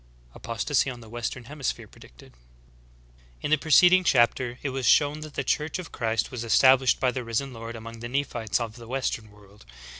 APOSTASY ON THE WESTERN HEMISPHERE PREDICTED. Z7. In the preceding chapter it was shov/n that the Church of Christ was established by the Risen Lord among the Nephites of the western world.